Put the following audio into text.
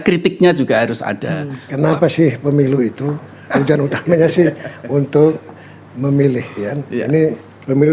kritiknya juga harus ada kenapa sih pemilu itu tujuan utamanya sih untuk memilih ya ini pemilu